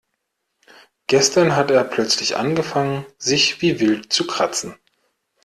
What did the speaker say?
Gestern hat er plötzlich angefangen sich wie wild zu kratzen.